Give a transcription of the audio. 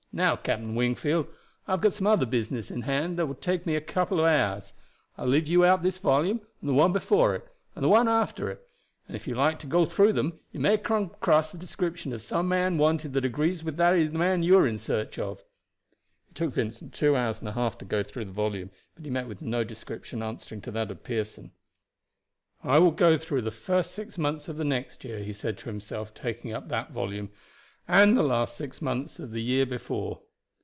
Now, Captain Wingfield, I have got some other business in hand that will take me a couple of hours. I will leave you out this volume and the one before it and the one after it, and if you like to go through them you may come across the description of some man wanted that agrees with that of the man you are in search of." It took Vincent two hours and a half to go through the volume, but he met with no description answering to that of Pearson. "I will go through the first six months of the next year," he said to himself, taking up that volume, "and the last six months of the year before."